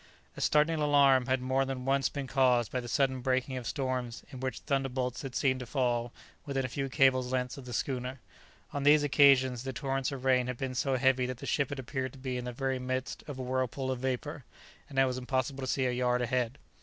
A startling alarm had more than once been caused by the sudden breaking of storms in which thunderbolts had seemed to fall within a few cables' lengths of the schooner. On these occasions the torrents of rain had been so heavy that the ship had appeared to be in the very midst of a whirlpool of vapour, and it was impossible to see a yard ahead.